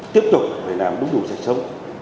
tiếp tục phải làm đúng đủ sạch sống